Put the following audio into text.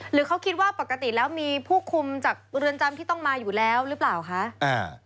หรือเขาคิดว่าปกติแล้วมีผู้คุมจากเรือนจำที่ต้องมาอยู่แล้วหรือเปล่าคะอ่า